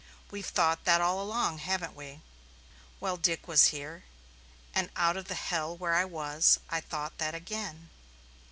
We've thought that all along, haven't we? Well, Dick was here, and out of the hell where I was I thought that again.